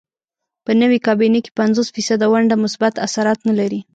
په نوې کابینې کې پنځوس فیصده ونډه مثبت اثرات نه لري.